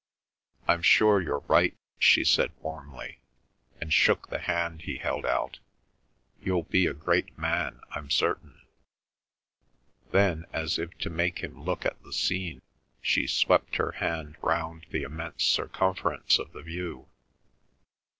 "I'm sure you're right," she said warmly, and shook the hand he held out. "You'll be a great man, I'm certain." Then, as if to make him look at the scene, she swept her hand round the immense circumference of the view.